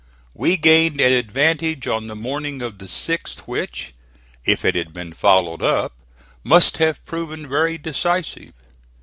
We gained an advantage on the morning of the 6th, which, if it had been followed up, must have proven very decisive.